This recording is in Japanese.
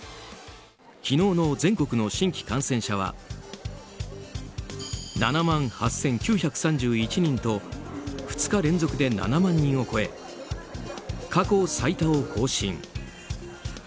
昨日の全国の新規感染者は７万８９３１人と２日連続で７万人を超え過去最多を更新。